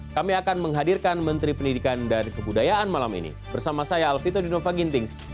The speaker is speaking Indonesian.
kami akan menghadirkan menteri pendidikan dan kebudayaan malam ini bersama saya alvito dinova gintings